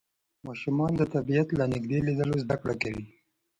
ماشومان د طبیعت له نږدې لیدلو زده کړه کوي